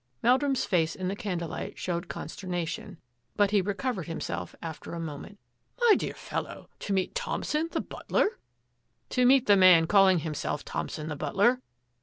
Meldrum's face in the candlelight showed con sternation, but he recovered himself after a mo ment. " My dear fellow, to meet Thompson the but ler!'' " To meet the man calling himself Thompson the butler."